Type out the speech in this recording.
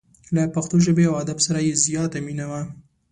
له پښتو ژبې او ادب سره یې زیاته مینه وه.